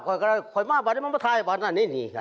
ข่อยมาบ้านนี่มันมาตายบ้านนี่